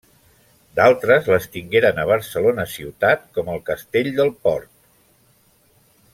D’altres les tingueren a Barcelona ciutat, com el Castell del Port.